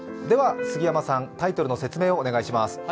では杉山さん、タイトルの説明をお願いします。